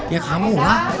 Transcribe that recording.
ya kamu lah